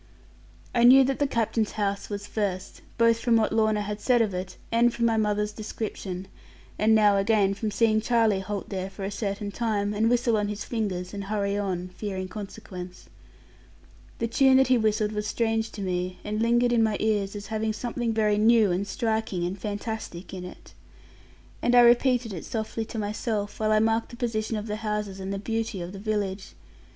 I knew that the Captain's house was first, both from what Lorna had said of it, and from my mother's description, and now again from seeing Charlie halt there for a certain time, and whistle on his fingers, and hurry on, fearing consequence. The tune that he whistled was strange to me, and lingered in my ears, as having something very new and striking, and fantastic in it. And I repeated it softly to myself, while I marked the position of the houses and the beauty of the village.